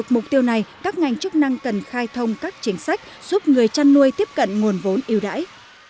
mục tiêu này các ngành chức năng cần khai thông các chính sách giúp người chăn nuôi tiếp cận nguồn vốn yêu đãi